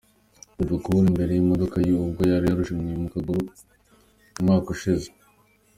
Bebe Cool imbere y'imodoka ye ubwo yari yararashwe mu kaguru umwaka ushize.